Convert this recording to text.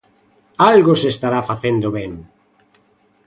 ¡Algo se estará facendo ben!